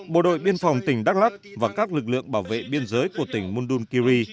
bộ đội biên phòng tỉnh đắk lắc và các lực lượng bảo vệ biên giới của tỉnh mundunkiri